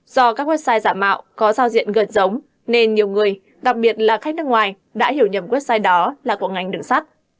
do các website giả mạo có giao diện gần giống nên nhiều người đặc biệt là khách nước ngoài đã hiểu nhầm website đó là của ngành đường sắt